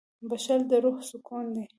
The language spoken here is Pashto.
• بښل د روح سکون دی.